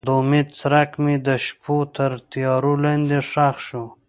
د امید څرک مې د شپو تر تیارو لاندې ښخ شو.